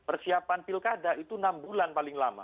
persiapan pilkada itu enam bulan paling lama